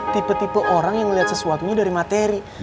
tipe tipe orang yang melihat sesuatunya dari materi